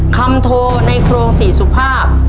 โทในโครงสี่สุภาพ